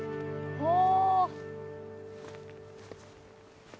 お。